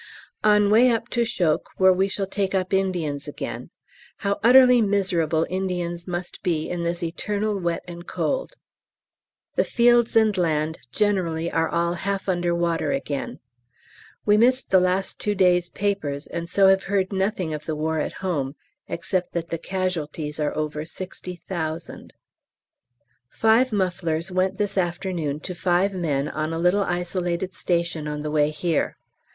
On way up to Chocques, where we shall take up Indians again. How utterly miserable Indians must be in this eternal wet and cold. The fields and land generally are all half under water again. We missed the last two days' papers, and so have heard nothing of the war at home, except that the casualties are over 60,000. Five mufflers went this afternoon to five men on a little isolated station on the way here.